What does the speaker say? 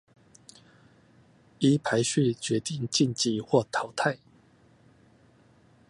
依排序決定晉級或淘汰